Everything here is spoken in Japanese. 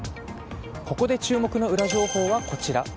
ここで注目のウラ情報はこちら。